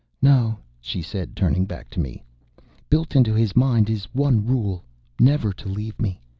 "No," she said, turning back to me. "Built into his mind is one rule never to leave me.